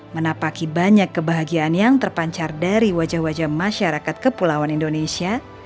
menapaki banyak kebahagiaan yang terpancar dari wajah wajah masyarakat kepulauan indonesia